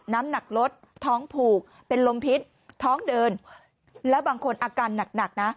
น้ำหนักลดท้องผูกเป็นลมพิษท้องเดินแล้วบางคนอาการหนักหนักนะ